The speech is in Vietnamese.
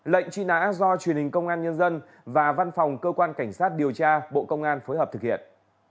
lệnh truy nã do truyền hình công an nhân dân và văn phòng cơ quan cảnh sát điều tra bộ công an phối hợp thực hiện